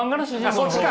そっちかい！